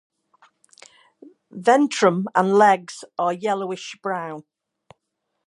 Ventrum and legs are yellowish brown.